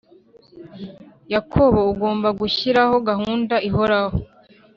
Yakobo Ugomba gushyiraho gahunda ihoraho